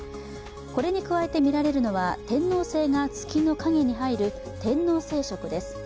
これに加えて見られるのは天王星が月の影に入る天王星食です。